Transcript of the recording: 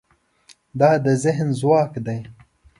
دا د ذهن ځواک دی.